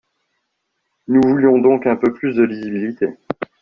Nous voulions donc un peu plus de lisibilité.